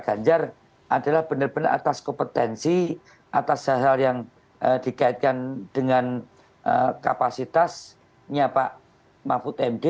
ganjar adalah benar benar atas kompetensi atas hal hal yang dikaitkan dengan kapasitasnya pak mahfud md